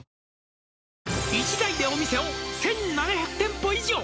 「一代でお店を１７００店舗以上」